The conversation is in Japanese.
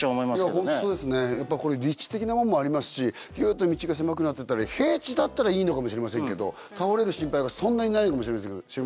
ホントそうですねやっぱこれ立地的なものもありますしギュっと道が狭くなってたり平地だったらいいのかもしれませんけど倒れる心配がそんなにないのかもしれませんけど。